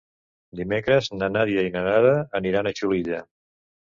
Dimecres na Nàdia i na Nara aniran a Xulilla.